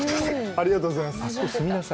ありがとうございます。